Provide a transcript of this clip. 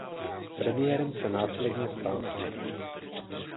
Premiérem se následně stal Smith.